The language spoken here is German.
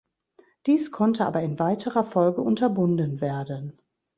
Dies konnte aber in weiterer Folge unterbunden werden.